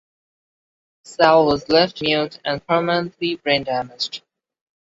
Sal was left mute and permanently brain damaged.